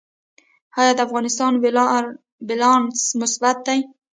آیا د افغانستان بیلانس مثبت دی؟